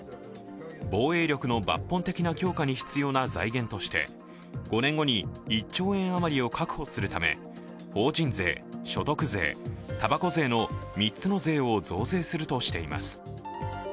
防衛力の抜本的な強化に必要な財源として５年後に１兆円余りを確保するため法人税、所得税、たばこ税の３つの税を増税するとしています。